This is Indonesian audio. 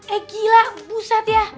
eh gila buset ya